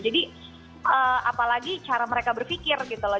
jadi apalagi cara mereka berpikir gitu loh